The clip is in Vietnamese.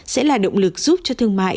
sẽ là động lực giúp cho thương mại